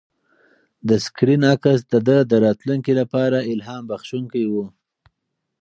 د سکرین عکس د ده د راتلونکي لپاره الهام بښونکی و.